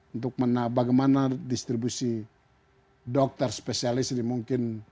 untuk bagaimana distribusi dokter spesialis ini mungkin